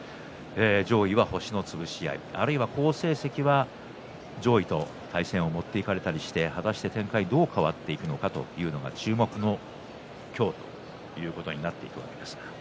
上位の星の潰し合いあるいは好成績は上位と対戦を持っていかれたりして果たして展開どう変わっていくのか注目の今日ということになります。